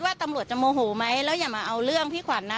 ตำรวจจะโมโหไหมแล้วอย่ามาเอาเรื่องพี่ขวัญนะ